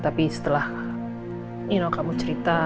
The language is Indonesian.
tapi setelah kamu cerita